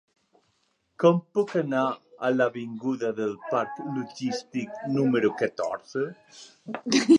Com puc anar a l'avinguda del Parc Logístic número catorze?